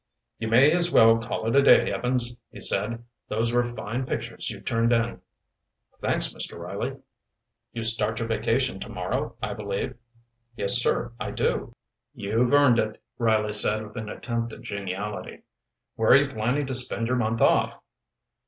"You may as well call it a day, Evans," he said. "Those were fine pictures you turned in." "Thanks, Mr. Riley." "You start your vacation tomorrow, I believe?" "Yes, sir, I do." "You've earned it," Riley said with an attempt at geniality. "Where are you planning to spend your month off?"